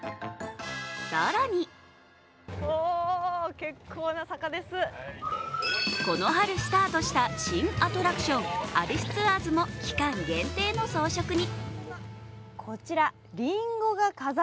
更にこの春スタートした新アトラクション、「アリスツアーズ」も期間限定の装飾に。